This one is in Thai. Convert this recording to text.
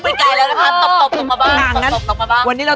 โอ้โฮดี